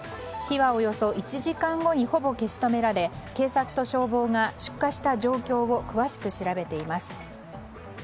火はおよそ１時間後にほぼ消し止められ警察と消防が出火した状況を詳しく調べています。